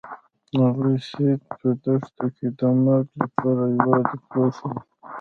هغوی سید په دښته کې د مرګ لپاره یوازې پریښود.